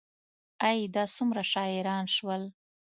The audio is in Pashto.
ای، دا څومره شاعران شول